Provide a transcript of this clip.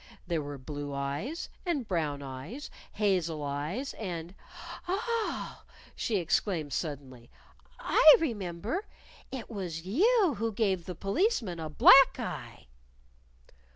There were blue eyes and brown eyes, hazel eyes and "Ah!" she exclaimed suddenly. "I remember! It was you who gave the Policeman a black eye!"